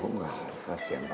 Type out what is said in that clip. nggak kasian pak